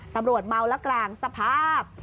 ตำรวจเมาและกลางสภาพ